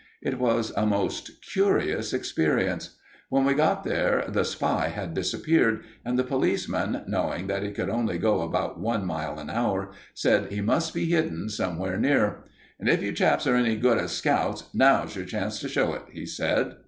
It was a most curious experience. When we got there, the spy had disappeared, and the policeman, knowing that he could only go about one mile an hour, said he must be hidden somewhere near. "And if you chaps are any good as scouts, now's your chance to show it," he said.